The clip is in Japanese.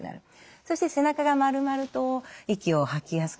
そして背中が丸まると息を吐きやすくなる。